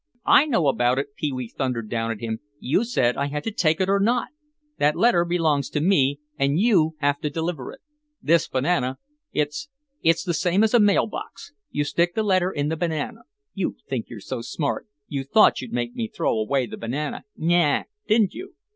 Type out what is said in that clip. "I know about it," Pee wee thundered down at him. "You said I had to take it or not; that letter belongs to me and you have to deliver it. This banana, it's—it's the same as a mail box—you stick the letter in the banana. You think you're so smart, you thought you'd make me throw away the banana, naaah, didn't you?